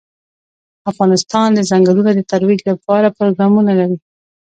افغانستان د ځنګلونه د ترویج لپاره پروګرامونه لري.